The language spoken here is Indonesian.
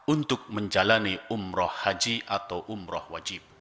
untuk menjalani umroh haji atau umroh wajib